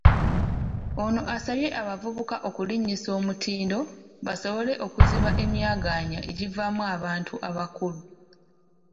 Ono asabye abavubuka okulinnyisa omutindo basobole okuziba emyaganya egivaamu abantu abakulu.